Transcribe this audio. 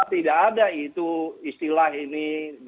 tidak ada itu istilah ini